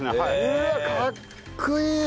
うわっかっこいい！